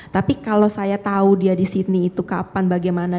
tapi kalau saya tahu dia di sydney itu kapan bagaimana